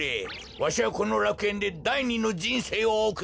わしはこのらくえんでだい２のじんせいをおくる。